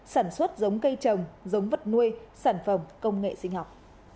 sản xuất giống cây trồng giống vật nuôi sản phẩm công nghệ sinh học